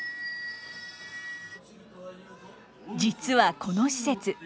実はこの施設